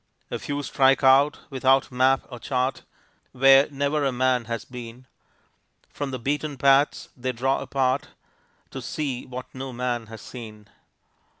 A few strike out, without map or chart, Where never a man has been, From the beaten paths they draw apart To see what no man has seen.